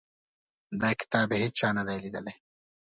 دا کتاب هیچا نه دی لیدلی.